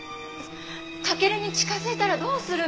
翔に近づいたらどうするの？